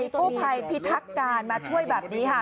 กู้ภัยพิทักการมาช่วยแบบนี้ค่ะ